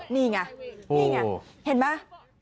นี่ไงเห็นไหม